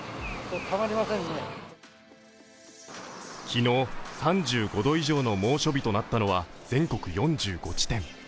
昨日、３５度以上の猛暑日となったのは全国４５地点。